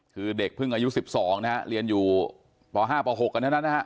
คือเด็กพึ่งอายุ๑๒นะครับเรียนอยู่ป๕ป๖กันแล้วนะครับ